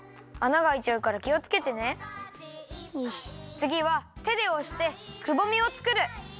つぎはてでおしてくぼみをつくる！